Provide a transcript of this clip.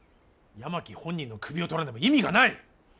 山木本人の首を取らねば意味がない。